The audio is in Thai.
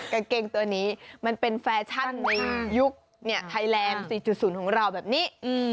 กางเกงตัวนี้มันเป็นแฟชั่นในยุคไทยแลนด์๔๐ของเราแบบนี้